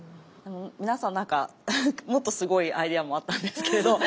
皆さん何かもっとすごいアイデアもあったんですけど。